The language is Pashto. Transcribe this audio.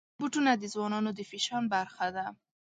بوټونه د ځوانانو د فیشن برخه ده.